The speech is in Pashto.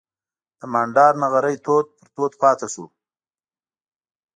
د بانډار نغری تود پر تود پاتې شو.